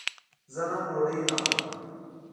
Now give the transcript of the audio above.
زه نن ډوډی نه خورم